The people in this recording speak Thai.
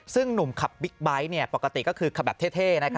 ซึ่งหนุ่มขับบิ๊กไบท์ปกติก็คือขับแบบเท่